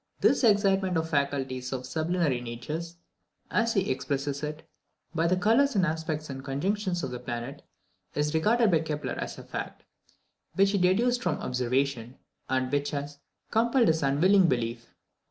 This excitement of the faculties of sublunary natures, as he expresses it, by the colours and aspects and conjunctions of the planets, is regarded by Kepler as a fact, which he had deduced from observation, and which has "compelled his unwilling belief."